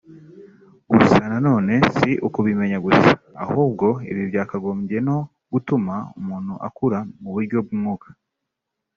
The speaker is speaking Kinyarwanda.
gusa na none si ukubimenya gusa ahubwo ibi byakagombye no gutuma umuntu akura mu buryo bw’umwuka